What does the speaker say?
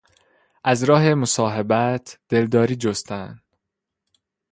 از راه مصاحبت دلداری جستن